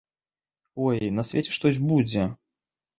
Ой, на свеце штось будзе!